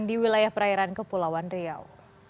di wilayah perairan kepulauan riau